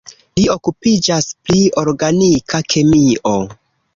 Li okupiĝas pri organika kemio.